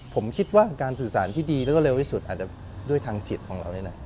ผมคิดว่าการสื่อสารที่ดีแล้วก็เร็วที่สุดอาจจะด้วยทางจิตของเราด้วยนะ